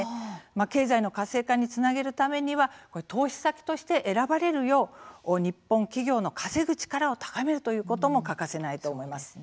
経済の活性化につなげるためには投資先として選ばれるよう日本企業の稼ぐ力を高めるということも欠かせないと思います。